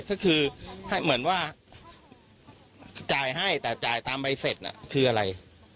ก็คือให้เหมือนว่าจ่ายให้แต่จ่ายตามใบเสร็จคืออะไร